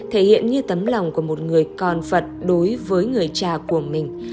thể hiện như tấm lòng của một người con phật đối với người cha của mình